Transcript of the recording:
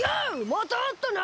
またあったな！